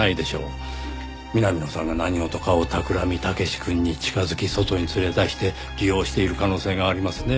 南野さんが何事かをたくらみ武志くんに近づき外に連れ出して利用している可能性がありますね。